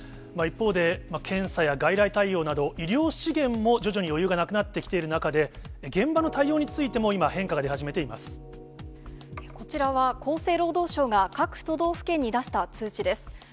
一方で、検査や外来対応など、医療資源も徐々に余裕がなくなってきている中で、現場の対応についても今、こちらは厚生労働省が各都道府県に出した通知です。